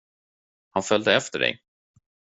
Han följde efter dig.